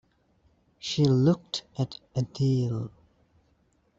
She looked at Adele.